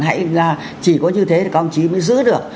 hãy chỉ có như thế thì các đồng chí mới giữ được